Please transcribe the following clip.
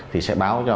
thì sẽ báo cho